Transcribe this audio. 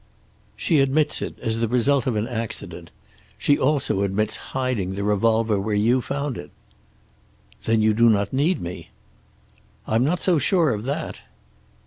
"She admits it, as the result of an accident. She also admits hiding the revolver where you found it." "Then you do not need me." "I'm not so sure of that."